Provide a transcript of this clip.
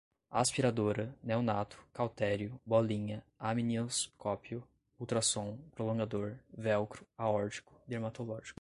aspiradora, neonato, cautério, bolinha, amnioscópio, ultrassom, prolongador, velcro, aórtico, dermatológico